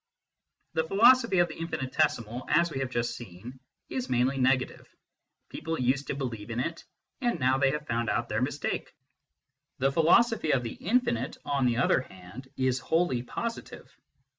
The philosophy of the infinitesimal, as we have just seen, is mainly negative. People used to believe in it, and now they have found out their mistake. The philo sophy of the infinite, on the other hand, is wholly positive.